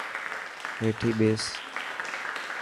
هيٺي ٻيٺس.